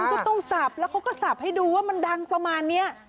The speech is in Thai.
ก็ต้องสับแล้วเขาก็สับให้ดูว่ามันดังประมาณนี้